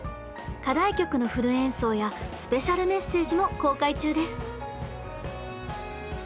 課題曲のフル演奏やスペシャルメッセージも公開中です！